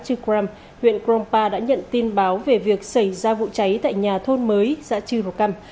trong ngày một mươi bốn tháng năm huyện grong pa đã nhận tin báo về việc xảy ra vụ cháy tại nhà thôn mới giã trư rồ căm